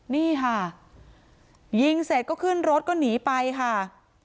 นี่ค่ะยิงเสร็จก็ขึ้นรถก็หนีไปค่ะ